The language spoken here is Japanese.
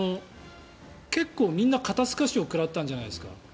結構、みんな肩透かしを食らったんじゃないですか。